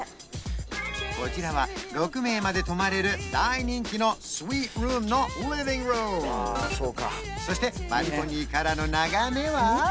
こちらは６名まで泊まれる大人気のスイートルームのそしてバルコニーからの眺めは？